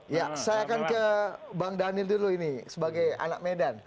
ya saya akan ke bang daniel dulu ini sebagai anak medan